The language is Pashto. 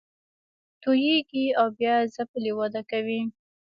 توییږي او بیا ځپلې وده کوي